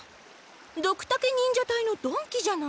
ドクタケ忍者隊の曇鬼じゃない。